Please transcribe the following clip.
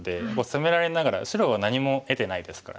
攻められながら白は何も得てないですからね。